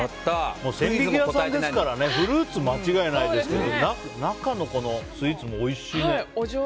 千疋屋さんですからフルーツは間違いないですけど中のスイーツもおいしいね。